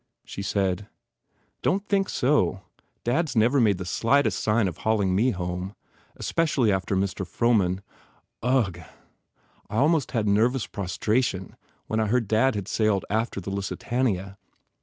She said, "Don t think so. Dad s never made the slightest sign of hauling me home. Especially after Mr. Frohman. ... Ugh! I almost had nervous prostration, when I heard Dad had sailed after the Lusitania!"